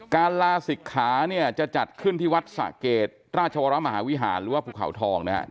ลาศิกขาเนี่ยจะจัดขึ้นที่วัดสะเกดราชวรมหาวิหารหรือว่าภูเขาทองนะฮะ